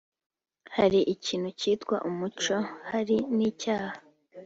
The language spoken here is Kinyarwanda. Hari ikintu kitwa umuco hari n’icyaha